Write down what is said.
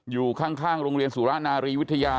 อยู่ข้างโรงเรียนสุรนารีวิทยา